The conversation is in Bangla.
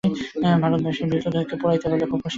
নীরজা রুক্ষ গলায় বললে, কিছু হয় নি।